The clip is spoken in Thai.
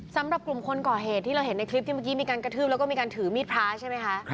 สำหรับกลุ่มคนก่อเหตุที่เราเห็นในคลิปที่เมื่อกี้มีการกระทืบแล้วก็มีการถือมีดพระใช่ไหมคะ